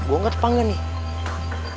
gua nggak terpanggang nih